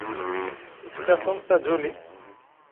ⵉⴼⴽⴰ ⵜⵓⵎ ⵜⴰⴷⵓⵍⵉ.